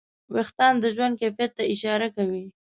وېښتيان د ژوند کیفیت ته اشاره کوي.